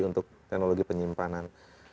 untuk teknologi penyimpanan